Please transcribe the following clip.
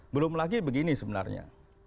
belum lagi begini sebenarnya